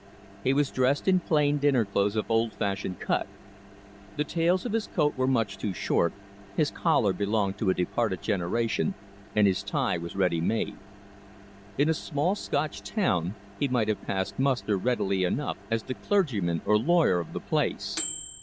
He was dressed in plain dinner clothes of old fashioned cut. The tails of his coat were much too short, his collar belonged to a departed generation, and his tie was ready made. In a small Scotch town he might have passed muster readily enough as the clergyman or lawyer of the place.